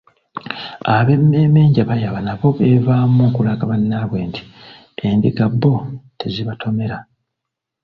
Ab'emmeeme enjababayaba nabo beevaamu okulaga bannaabwe nti endiga bo tezibatomera.